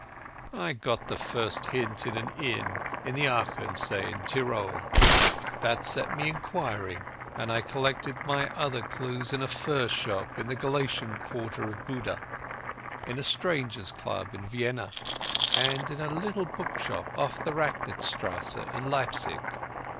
"I got the first hint in an inn on the Achensee in Tyrol. That set me inquiring, and I collected my other clues in a fur shop in the Galician quarter of Buda, in a Strangers' Club in Vienna, and in a little bookshop off the Racknitzstrasse in Leipsig.